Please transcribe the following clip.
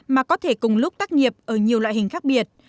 mà có thể cùng lúc tác nghiệp ở nhiều loại hình khác biệt